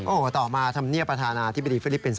โอ้โหต่อมาธรรมเนียบประธานาธิบดีฟิลิปปินส